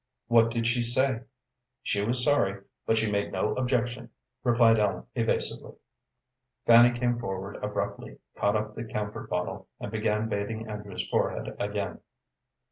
"What did she say?" "She was sorry, but she made no objection," replied Ellen, evasively. Fanny came forward abruptly, caught up the camphor bottle, and began bathing Andrew's forehead again.